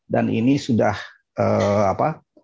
dan ini sudah apa